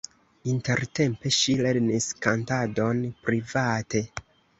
Intertempe ŝi lernis kantadon private.